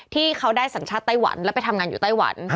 ที่เขาได้สัญชาติไต้หวันแล้วไปทำงานอยู่ไต้หวัน